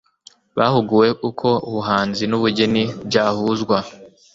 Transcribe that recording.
bahuguwe uko ubuhanzi n'ubugeni byahuzwa